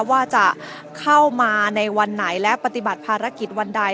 ว่าจะเข้ามาในวันไหนและปฏิบัติภารกิจวันใด